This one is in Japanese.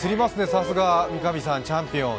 さすが、三上さんチャンピオン。